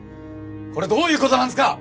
これどういう事なんですか？